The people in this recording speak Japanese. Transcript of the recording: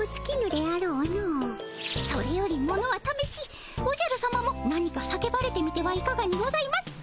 それよりものはためしおじゃるさまも何か叫ばれてみてはいかがにございますか？